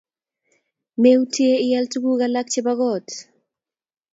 Meutye ial tuguk alak chepo kot